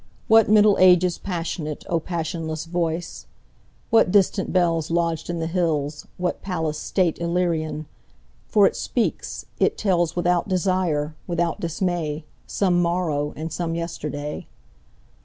What Middle Ages passionate,O passionless voice! What distant bellsLodged in the hills, what palace stateIllyrian! For it speaks, it tells, Without desire, without dismay, Some morrow and some yesterday.